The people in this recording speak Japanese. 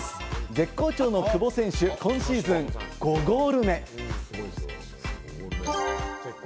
絶好調の久保選手、今シーズン５ゴール目。